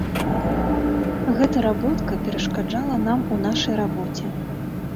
Гэта работка перашкаджала нам у нашай рабоце.